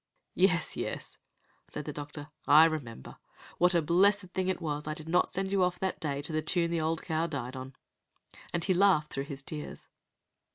"Yes, yes," said the doctor, "I remember. What a blessed thing it was I did not send you off that day to the tune the old cow died on," and he laughed through his tears.